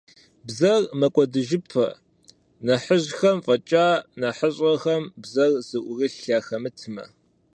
Бзэр мэкӀуэдыжыпэ, нэхъыжьхэм фӀэкӀа, нэхъыщӀэхэм бзэр зыӀурылъ яхэмытмэ.